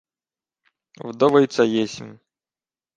— Вдовиця єсмь.